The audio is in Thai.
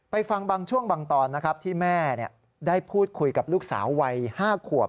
ฟังบางช่วงบางตอนนะครับที่แม่ได้พูดคุยกับลูกสาววัย๕ขวบ